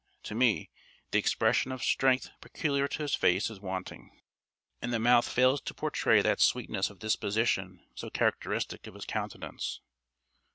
To me, the expression of strength peculiar to his face is wanting, and the mouth fails to portray that sweetness of disposition so characteristic of his countenance.